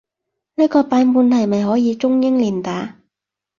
呢個版本係咪可以中英連打？